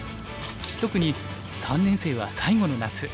特に３年生は最後の夏。